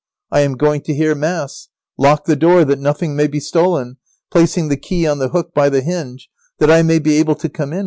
I am going to hear Mass. Lock the door that nothing may be stolen, placing the key on the hook by the hinge, that I may be able to come in when I return."